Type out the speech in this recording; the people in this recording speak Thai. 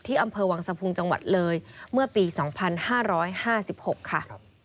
อำเภอวังสะพุงจังหวัดเลยเมื่อปี๒๕๕๖ค่ะ